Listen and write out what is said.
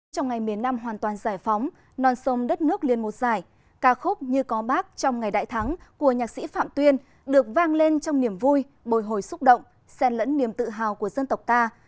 trong ngày miền nam hoàn toàn giải phóng non sông đất nước liên một giải ca khúc như có bác trong ngày đại thắng của nhạc sĩ phạm tuyên được vang lên trong niềm vui bồi hồi xúc động sen lẫn niềm tự hào của dân tộc ta